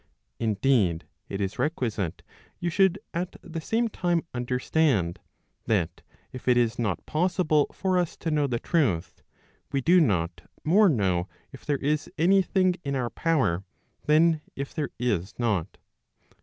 Indeed it is requisite you should at the same time understand, that if it is not possible for us to know the truth, we do not more know if there is any thing in our power than if there is not.